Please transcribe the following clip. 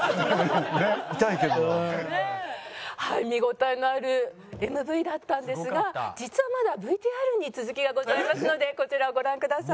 はい見応えのあるＭＶだったんですが実はまだＶＴＲに続きがございますのでこちらをご覧ください。